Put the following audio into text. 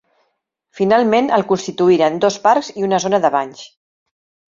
Finalment el constituïren dos parcs i una zona de banys.